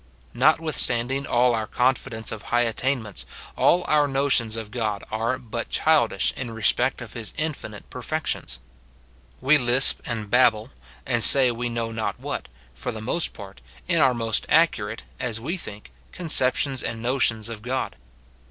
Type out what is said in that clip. Notwithstanding all our confidence of high at tainments, all our notions of God are but childish in SIN IN BELIEVERS. 265 respect of his infinite perfections. We lisp and babble, aiid say we know not what, for the most part, in our most accurate, as we think, conceptions and notions of God.